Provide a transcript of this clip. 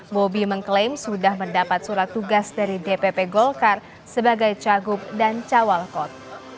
bobi mengklaim sudah mendapat surat tugas dari dpp golkar sebagai cagup dan cawal kot